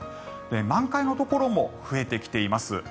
満開のところも増えてきています。